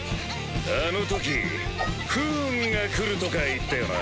あのとき不運がくるとか言ったよな？